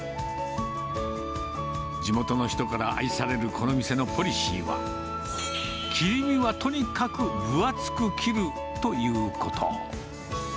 地元の人から愛されるこの店のポリシーは、切り身はとにかく分厚く切るということ。